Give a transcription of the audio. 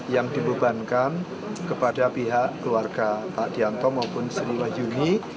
yang dibebankan kepada pihak keluarga pak dianto maupun sriwayuni